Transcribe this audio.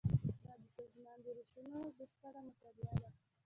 دا د سازمان د روشونو بشپړه مطالعه ده.